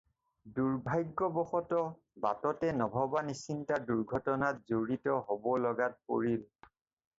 দুৰ্ভাগ্যবশতঃ বাটতে নভবা-নিচিন্তা দুৰ্ঘটনাত জড়িত হ'ব লগাত পৰিল।